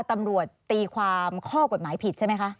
ตำรวจตีความข้อกฎหมายผิดใช่ไหมคะ